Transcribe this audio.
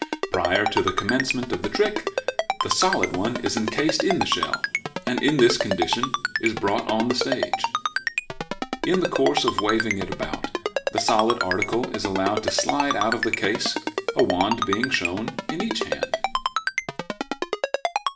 Prior to the commencement of the trick the solid one is encased in the shell, and in this condition it is brought on the stage. In the course of waving it about, the solid article is allowed to slide out of the case, a wand being shown in each hand.